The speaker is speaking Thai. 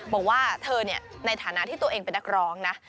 บอกว่าเธอในฐานะที่ตัวเองเป็นนักร้องนะ